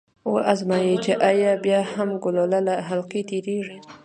و ازمايئ چې ایا بیا هم ګلوله له حلقې تیریږي؟